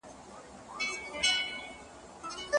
څوک د دښمن په اړه د عدل خبره کوي؟